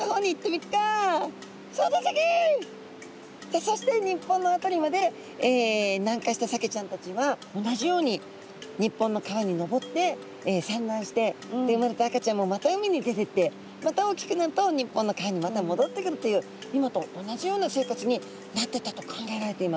そして日本の辺りまで南下したサケちゃんたちは同じように日本の川に上って産卵してで生まれた赤ちゃんもまた海に出てってまた大きくなると日本の川にまたもどってくるという今と同じような生活になってったと考えられています。